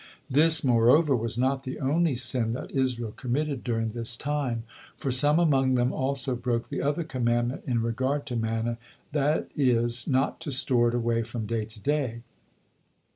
This, moreover, was not the only sin that Israel committed during this time, for some among them also broke the other commandment in regard to manna, that it, not to store it away from day to day.